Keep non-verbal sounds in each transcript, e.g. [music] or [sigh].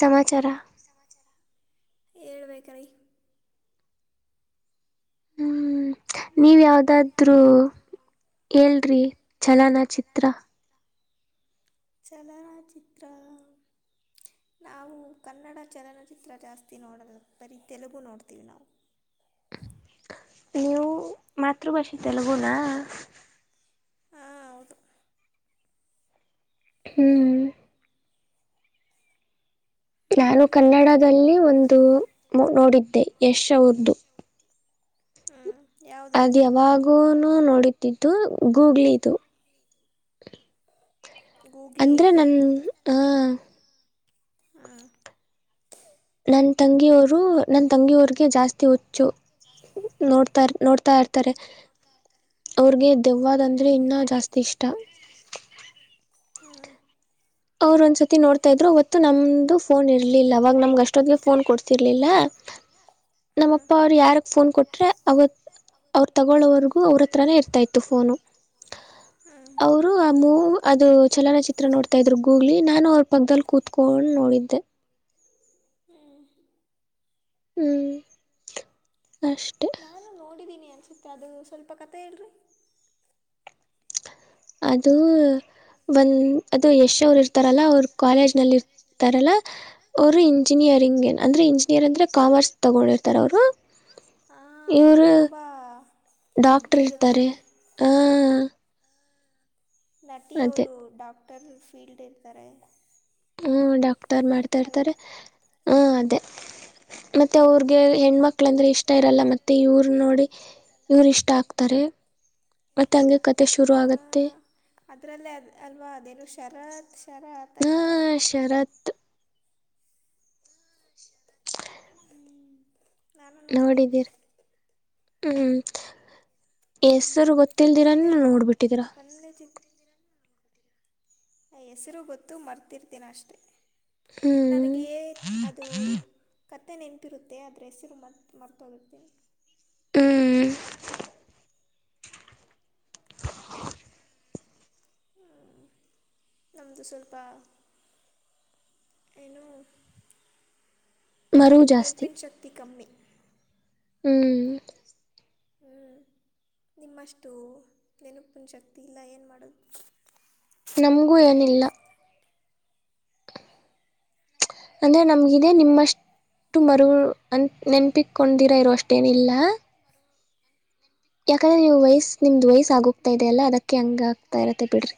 ಸಮಾಚಾರ ಹೇಳ್ಬೇಕ ರೀ ನೀವ ಯಾವ್ದಾದ್ರೂ ಹೇಳ್ರಿ ಚಲನ ಚಿತ್ರ [inaudible] ಚಲನಚಿತ್ರ. ನಾವು ಕನ್ನಡ ಚಲನಚಿತ್ರ ಜಾಸ್ತಿ ನೋಡಲ್ಲ. ಬರೀ ತೆಲುಗು ನೋಡ್ತೀವಿ ನಾವು. ನೀವು ಮಾತೃಭಾಷೆ ತೆಲಗುನಾ. ಹ್ಮ್. ನಾನು ಕನ್ನಡದಲ್ಲಿ ಒಂದು ನೋಡಿದ್ದೆ. ಯಶ್ ಅವರದ್ದು. ಹ್ಮ್. ಅದ ಯಾವಾಗೂನು ನೋಡಿದ್ದಿದ್ದು ಗೂಗ್ಲಿದು. ಅಂದ್ರೆ ನನ್ ಆ, ನನ್ ತಂಗಿಯವರು ನನ್ ತಂಗಿಯವ್ರಗೆ ಜಾಸ್ತಿ ಹಚ್ಚು. ನೋಡ್ತಾರ ನೋಡ್ತಾ ಇರ್ತಾರೆ. ಅವ್ರಗೆ ದೆವ್ವಾದಂದ್ರೆ ಇನ್ನೂ ಜಾಸ್ತಿ ಇಷ್ಟ. ಅವ್ರೊಂದ್ಸತಿ ನೋಡ್ತಾ ಇದ್ರು ಅವತ್ತು ನಮ್ದು ಫೋನ್ ಇರ್ಲಿಲ್ಲ ಅವಾಗ ನಮ್ಗ ಅಷ್ಟೊಗೆ ಫೋನ್ ಕೊಡ್ಸಿರ್ಲಿಲ್ಲ. ನಮ್ಮಪ್ಪ ಅವರು ಯಾರಕ್ ಫೋನ್ ಕೊಟ್ರೆ, ಅವತ್ ಅವ್ರು ತಗೊಳೋವರೆಗೂ ಅವ್ರ ಹತ್ರನೇ ಇರ್ತಾ ಇತ್ತು ಫೋನು. ಅವರು ಆ ಮೂವ ಅದು ಚಲನ ಚಿತ್ರ ನೋಡ್ತ ತಾ ಇದ್ರು ಗೂಗ್ಲಿ ನಾನು ಅವ್ರ ಪಕ್ಕದಲ್ಲಿ ಕೂತ್ಕೊಂಡ ನೋಡಿದ್ದೆ. ಹ್ಮ್ ಅಷ್ಟೇ. ಸತ್ತ ಅದು ಸ್ವಲ್ಪ ಕತೆ ಹೇಳ್ರಿ. ಅದು ಒಂದ್ ಅದು ಯಶ್ ಅವರು ಇರ್ತಾರಲ್ಲ ಅವ್ರ ಕಾಲೇಜ್ ನಲ್ಲಿ ತರಲ್ಲಾ ಅವರು ಇಂಜಿನಿಯರಿಂಗ್ ಏನ್ ಅಂದ್ರೆ ಇಂಜಿನಿಯರ್ ಅಂದ್ರೆ ಕಾಮರ್ಸ್ ತಗೊಂಡಿರ್ತಾರ ಅವರು. ಹಾ ಅವ್ರಿಗೆ ತುಂಬಾ, ಡಾಕ್ಟರ್ ಇರ್ತಾರೆ. ಹ ನಟಿ ಅವರು ಡಾಕ್ಟರ್ ಫೀಲ್ಡ್ ಇರ್ತಾರೆ. ಹ್ಮ್ ಡಾಕ್ಟರ್ ಮಾಡ್ತಾ ಇರ್ತಾರೆ. ಹ್ಮ ಅದೇ, ಮತ್ತೆ ಅವ್ರಗೆ ಹೆಣ್ಮಕ್ಳ ಅಂದ್ರೆ ಇಷ್ಟ ಇರಲ್ಲ. ಮತ್ತೆ ಇವ್ರ ನೋಡಿ ಇವ್ರ ಇಷ್ಟ ಆಗ್ ತರೆ ಹ ಅದ್ರಲ್ಲೇ ಅಲ್ವಾ ಅದೇನು ಶರತ್, [inaudible] ನೋಡಿದ್ದೀರ್ ಹ್ಮ್. ಹೆಸರ್ ಗೊತ್ತಿಲ್ದಿರ ನೀ ನೋಡ್ಬಿಟ್ಟಿದಿರಾ. ಹೆಸರು ಗೊತ್ತು ಮರ್ತಿರ್ತೀನ ಅಷ್ಟೆ. ನನಗೆ ಅದು, ಕತ್ತೆ ನೆನಪಿರುತ್ತೆ ಅದ್ರ ಹೆಸರು ಮ ಮರ್ತ ಹೋಗಿರ್ತೀನಿ. ಹ್ಮ್. ನಮ್ದು ಸ್ವಲ್ಪ, [inaudible] ನೆನ್ಪಿನ್ ಶಕ್ತಿ ಕಮ್ಮಿ. ಹ್ಮ್. ನಿಮ್ಮಷ್ಟು ನೆನಪಿನ ಶಕ್ತಿ ಇಲ್ಲ. ಏನು ಮಾಡೋದು, ನಮ್ಗೂ ಏನಿಲ್ಲ. ಅಂದ್ರೆ ನಮ್ಗಿದೆ. ನಿಮ್ಮಷ್ಟ, ಮರು ಅ ನೆನ್ಪಿಕ್ ಕೊಂಡಿರ ಇರೋ ಅಷ್ಟೇನಿಲ್ಲ. ಯಾಕಂದ್ರೆ ನೀವು ವಯಸ ನಿಮ್ದ ವಯಸ ಆಗೋಗ್ತಾ ಇದೆಯಲ್ಲ ಅದಕ್ಕೆ ಹಂಗ ಆಗ್ತಾ ಇರತ್ತೆ ಬಿಡ್ರಿ.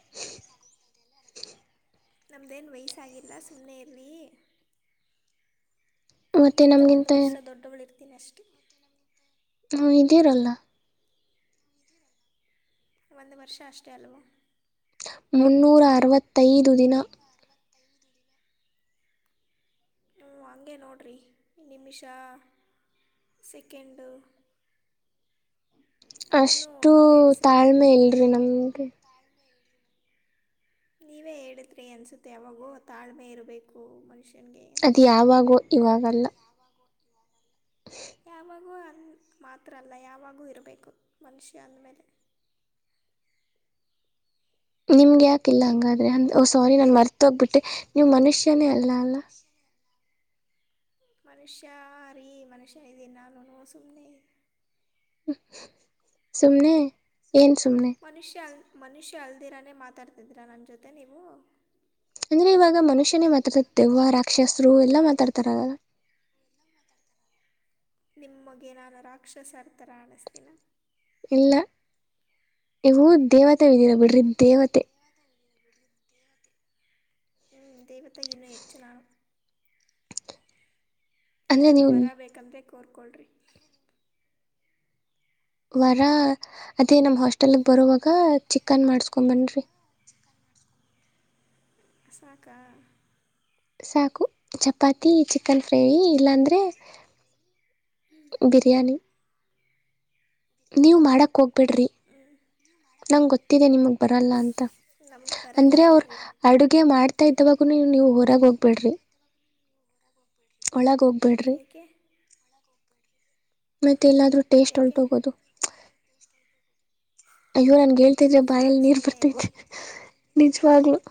ನಮ್ದೇನು ವಯಸ್ಸಾಗಿಲ್ಲ ಸುಮ್ಮನೆ ಇರ್ಲಿ ನಿನಗಿಂತ ಒಂದು ವರ್ಷ ದೊಡ್ಡಳಿರ್ತೀನಿ ಅಷ್ಟೇ. ಹ್ಮ ಇದೀರಲ್ಲ. ಒಂದು ವರ್ಷ ಅಷ್ಟೇ ಅಲ್ವ. ಮುನ್ನೂರ ಅರವತ್ತೈದು ದಿನ. ಹ್ಞೂ ಹಂಗೆ ನೋಡಿರಿ, ನಿಮಿಷ, ಸೆಕೆಂಡ, ಅಷ್ಟು ತಾಳ್ಮೆ ಇಲ್ರಿ ನಮ್ಗೆ ನೀವೇ ಹೇಳದ್ರಿ ಅನ್ಸುತ್ತೆ ಯಾವಾಗೂ ತಾಳ್ಮೆ ಇರಬೇಕು ಮನುಷ್ಯ ಅದು ಯಾವಾಗೋ ಇವಾಗಲ್ಲ ಯಾವಾಗೂ ಅಲ್ಲಿ ಮಾತ್ರ ಅಲ್ಲ ಯಾವಾಗೂ ಇರಬೇಕು ಮನುಷ್ಯ ಅಂದಮೇಲೆ [inaudible] ನಿಮ್ಗೆ ಯಾಕಿಲ್ಲ ಹಂಗಾದ್ರೆ ಅಂದ ಸೊರಿ ನನ್ ಮರ್ತ ಹೋಗ್ಬಿಟ್ಟೆ ನೀವು್ ಮನುಷ್ಯ ಇನ ಅಲ್ಲ ಅಲ್ಲ ಮನುಷ್ಯ ರೀ ಮನುಷ್ಯ ಇದ ನಾನು ಸುಮ್ಮನೆ ಇದೆ ಸುಮನೆ ಏನ ಸುಮನೆ ಮನುಷ್ಯ ಅಲ್ದಿರಾನೇ ಮಾತಾಡ್ತಿದ್ದೀರಾ ನನ್ನ ಜೊತೆ ನೀವು ಅಂದ್ರೆ ಇವಾಗ ಮನುಷ್ಯನೇ ಮಾತ್ರ ದೆವ್ವ ರಾಕ್ಷಸ ಎಲ್ಲ ಮಾತಾಡ್ತಾರ ನಿಮ್ಮಗೆ ನಾನು ರಾಕ್ಷಸಾರ್ಥರ ಅಾಣಿಸ್ತೀನ ಇಲ್ಲ ನೀವು ದೇವತೆವಿದ್ದೀರಾ ಬಿಡ್ರಿ ದೇವತೆ ಹ್ಮ್ ದೈವತೆ ಇನ್ನೂ ಹೆಚ್ಚು ನಾನು ಏನಾದ್ರು ವರಬೇಕೇಕಂತ ಕೋರ್ಕೊಳ್ರಿ ವರ ಅದೇ ನಮ್ಮ ಹಾಸ್ಟೆಲ್ಗೆ ಬರರುವಾಗ ಚಿಕನ್ ಮಾಡಸ್ಕೊಂಡ್ ಬನ್ರೀ [inaudible] ಸಾಕ ಸಾಕು ಚಪಾತಿ ಚಿಕನ್ ಫ್ರೈ ಇಲ್ಲಾಂದ್ರೆ ಬಿರಿಯಾನಿ ನೀವ ಮಾಡಕ ಹೋಗ್ಬಿಡ್ರಿ ನಂ ಗೊತ್ತಿದೆ ನಿಮಗ್ ಬರಲ್ಲ ಅಂತ ಅಂದ್ರೆ ಅವ್ರ ಅಡುಗೆ ಮಾಡ ಇದ್ದವಾಗು ನೀವು ಹೊರಾಗ ಹೋಗ್ಬೇಡ್ರಿ ಒಳಗ ಹೋಗ್ಬೇಡ್ರಿ ಮೆ ಮತ್ತ ಎಲ್ಲಾದ್ರೂ ಟೇಸ್ಟ್ ಹೊಲ್ಟ ಹೋಗೋದು ಅಯ್ಯೋ ನನ್ಗೆಳ್ತಿದ್ರೆ ಬಾಯಲ್ ನೀರ್ ಬರ್ತ ನಿಜವಾಗ್ಲು [inaudible]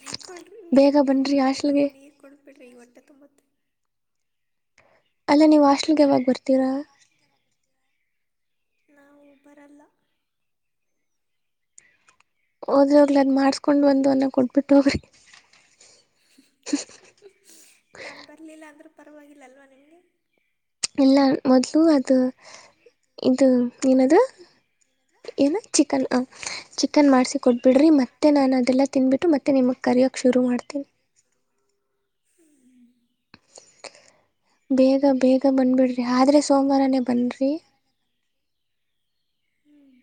ನಿಕ್ಕಳ್ರಿ ನೀರು ಏನೋ ನೀರು ಕೊಡಬೇಡ್ರಿ ಈಗ ಹೊಟ್ಟೆ ತುಂಬತ್ತೆ ಅಲ್ಲ ನೀವು್ ಹಾಸ್ಟ್ಲ್ಗೆ ಯಾವಾಗ ಬರ್ತೀರಾ ನಾವು ಬರಲ್ಲ ಹೋದ್ರೋಗ್ಲ ಅದ್ ಮಾಡ್ಸ್ಕೊಂಡ ಬಂದು ಅನ್ನ ಕೊಟ್ಬಿಟ್ಟ ಹೋಗ್ರಿ ನಾನು ಬರಲಿಲ್ಲ ಅಂದ್ರೂ ಪರವಾಗಿಲ್ಲಲ್ವಾ ನಿಮಗೆ ಎಲ್ಲ ಮೊದ್ಲು ಅದು ಇದು ಏನದು ಏನ ಚಿಕನ್ ಚಿಕನ್ ಮಾಡ್ಸಿ ಕೊಟ್ಬಿಡ್ರಿ ಮತ್ತೆ ನಾನು ಅದೆಲ್ಲ ತಿನ್ಬಿಟ್ಟು ಮತ್ತೆ ನಿಮ ಕರಯಕ್ ಶುರು ಮಾಡ್ತೀನಿ ಬೇಗ ಬೇಗ ಬಂದ್ಬಿಡ್ರಿ ಆದ್ರೆ ಸೋಮವಾರಾನೇ ಬನ್ರೀ ಹ್ಮ್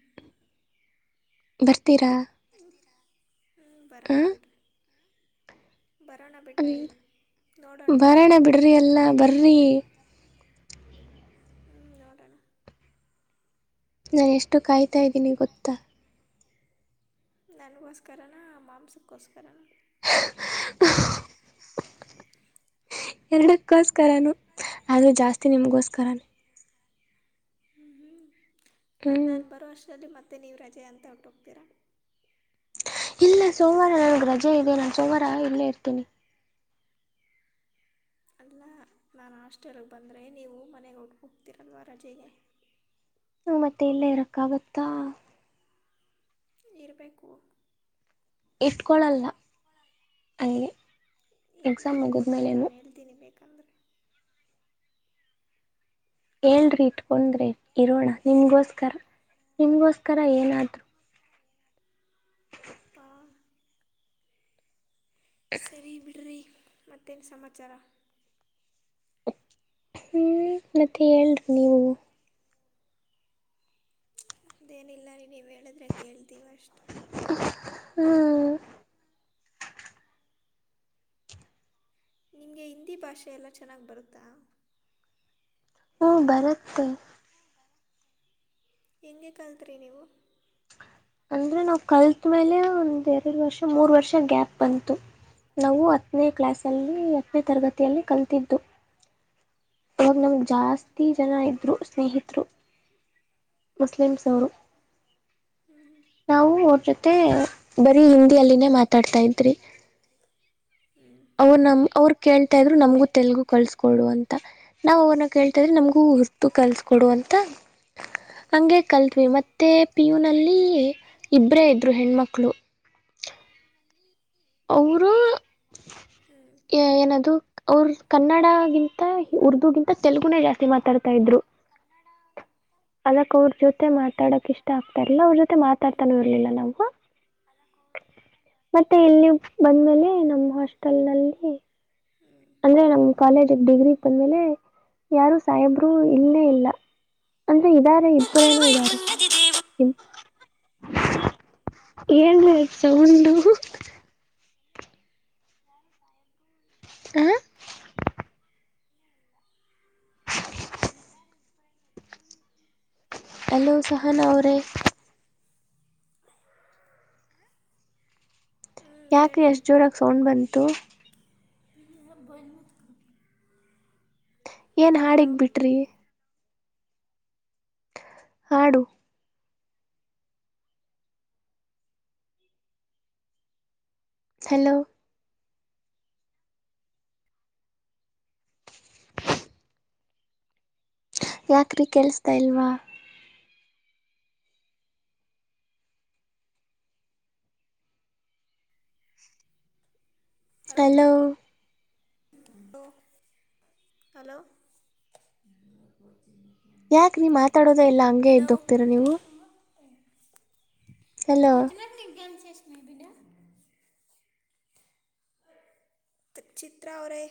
ಬರ್ತೀರಾ ಬರಣ ಬಿಡ್ರಿ ಅ ಬರೋಣ ಬಿಡ್ರಿ ಎಲ್ಲ ಬರಿ ಹ್ಮ್ ನಟಣ ನಾನು ಎಷ್ಟು ಕಾಯ್ತಾ್ದೀನಿ ಗೊತ್ತಾ ನನಗೋಸ್ಕರನ ಮಾಂಸಕ್ಕೋಸ್ಕರ ಎರಡಕ್ಕೋಸ್ಕರನು ಆದ್ರೂ ಜಾಸ್ತಿ ನಿಮ್ಗೋಸ್ಕರನೇ ಅದು ನಾನು ಬರೋ ಅರ್ಷ್ಟರಲ್ಲಿ ಮತ್ತೆ ನೀವು ರಜೆ ಅಂತ ಹೊಟ್ಟುೋಗ್ತೀರ ಇಲ್ಲ ಸೋಮವಾರ ನನ್ಗೆ ರಜೆ ಇದೆ ನಾನು ಸೋಮವಾರ ಇಲ್ಲೇ ಇರ್ತೀನಿ ನಾನು ಹಾಸ್ಟೆಲ್ಗೆ ಬಂದರೆ ನೀವು ಮನೆಗೆ ಒಟ್ ಹೋಗ್ತೀರಲ್ವ ರಜೆಗೆ ಹ ಮತ್ತೆ ಎಲ್ಲ ಇರಕ್ಕಾಗತ್ತಾ. ಇರಬೇಕು. ಇಟ್ಕೊಳ್ಳಲ್ಲ ಹಂಗೆ. ಇನ್ನ ಇಟ್ಕೋತಾರೆ ನಾನು ಹೇಳ್ತೀನಿ ಬೇಕ್ ಹೇಳ್ರೀ ಇಟ್ಕೊಂಡ್ರೆ ಇರೋಣ ನಿಮಗೋಸ್ಕರ. ನಿಮ್ಗೋಸ್ಕರ ಏನಾದ್ರು. ಹಾ ಸರಿ ಬಿಡ್ರಿ ಮತ್ತ್ ಎನ್ ಸಮಾಚಾರ. ಹ್ಮ್ ಮತ್ತೆ ಹೇಳರಿ ನೀವು. ನಮದೇನಿಲ್ಲ ನೀ ನೀವು ಹೇಳಿದ್ರೆ ಕೇಳ್ತೀವ ಅಷ್ಟೆ. ಹ್ಮ್ ನಿಮಗೆ ಹಿಂದಿ ಭಾಷೆ ಎಲ್ಲ ಚೆನ್ನಾಗಿ ಬರುತ್ತಾ. ಹ ಬರತ್ತೆ. ಹೆಂಗೆ ಕಲ್ತ್ರಿ ನೀವು. ಅಂದ್ರೆ ನಾವ್ ಕಲ್ತ್ ಮೇಲೆ ಒಂದ್ ಎರಡು ವರ್ಷ ಮೂರ್ ವರ್ಷ ಗ್ಯಾಪ್ ಬಂತು. ನಾವು ಹತ್ತನೇ ಕ್ಲಾಸಲ್ಲಿ ಹತ್ತನೇ ತರಗತಿಯಲ್ಲಿ ಕಲ್ತಿದ್ದು. ಅವಾಗ ನಮ್ಗ್ ಜಾಸ್ತಿ ಜನ ಇದ್ರು ಸ್ನೇಹಿತರು. ಮುಸ್ಲಿಮ್ಸ್ ಅವರು. ನಾವು ಅವ್ರ ಜೊತೆ ಬರೀ ಹಿಂದಿಯ ಅಲ್ಲಿನೇ ಮಾತಾಡ್ತಾ ಇದ್ರೀ. ಅವ್ರ ನಮ ಅವ್ರು ಕೇಳ್ತಾ ಇದ್ರು ನಮಗು ತೆಲಗು ಕಳ್ಸ್ಕೊಡು ಅಂತ ನಾವ್ ಅವ್ರನ್ನ ಕೇಳ್ತಾ ಇದ್ರೆ ನಮಗೂ. ಉರ್ತು ಕಲ್ಸ ಕೊಡು ಅಂತ. ಹಂಗೆ ಕಲ್ತ್ವಿ ಮತ್ತೆ ಪಿಯೂನಲ್ಲಿ ಇಬ್ಬರೇ ಇದ್ದರು ಹೆಣ್ಮಕ್ಳು. ಅವರು ಏನದು ಅವ್ರು ಕನ್ನಡಗಿಂತ. ಉರ್ದುಗಿಂತ ತೆಲುಗುನ ಜಾಸ್ತಿ ಮಾತಾಡ್ತಾ ಇದ್ರು. ಅದಕ್ ಅವ್ರ ಜೊತೆ ಮಾತಾಡಕ್ ಇಷ್ಟ ಆಗ್ತಾ ಇರ್ಲ್ಲ ಅವ್ರ ಜೊತೆ ಮಾತಾಡ್ತಾನೂ ಇರ್ಲಿಲ್ಲ ನಾವು. ಮತ್ತೆ ಇಲ್ಲಿ ಬಂದ್ಮೇಲೆ ನಮ್ಮ ಹಾಸ್ಟೆಲ್ ನಲ್ಲಿ. ಅಂದ್ರೆ ನಮ್ ಕಾಲೇಜಿಗೆ ಡಿಗ್ರಿ ಬಂದ್ಮೇಲೆ ಯಾರು ಸಾಹೇಬರು ಇಲ್ಲೆ ಇಲ್ಲ. ಅಂದ್ರೆ ಇದಾರೆ ಇಬ್ಬರೇನೋ ಇದ್ದಾರೆ. ಏನ್ರೀ ಅದು ಸೌಂಡು. ಯ ಸಬ ಹ ಅಲೋ ಸಹಾನ ಅವರೆ. ಯಾಕ್ರೀ ಅಷ್ಟ ಜೋರಾಗ ಸೌಂಡ್ ಬಂತು. [unintelligible] ಏನ್ ಹಾಡಿಗ್ ಬಿಟ್ರಿ. ಹಾಡು. ಹಲೋ ಯಾಕ್ರೀ ಕೇಳಿಸ್ತಾ ಇಲ್ವಾ. ಹಲೋ ಹಲೋ ಯಾಕ ನೀ ಮಾತಾಡೋದ ಎಲ್ಲಾ ಹಂಗೆ ಯದ್ದ ಹೋಗ್ತೀರ ನೀವು. ಅಜನ ಗಮ ಚಷ್ಟನ ವಿಡು. ತ್ ಚಿತ್ರ ಅವರೆ.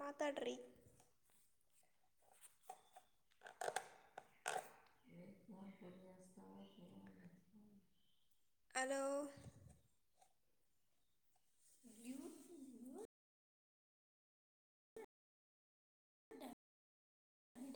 ಮಾತಾಡ್ರೀ. ಹ ಅಲೋ